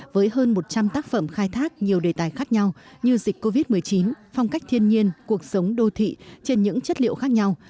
với hơn một trăm linh tác phẩm khai thác nhiều đề tài khác nhau như dịch covid một mươi chín phong cách thiên nhiên cuộc sống đô thị trên những chất liệu khác nhau